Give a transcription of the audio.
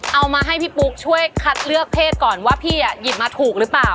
เอามาให้พี่ปุ๊กช่วยคัดเลือกเพศก่อนว่าพี่หยิบมาถูกหรือเปล่า